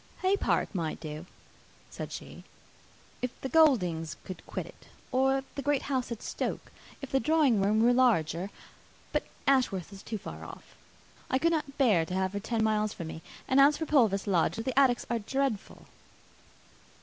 "Haye Park might do," said she, "if the Gouldings would quit it, or the great house at Stoke, if the drawing room were larger; but Ashworth is too far off. I could not bear to have her ten miles from me; and as for Purvis Lodge, the attics are dreadful."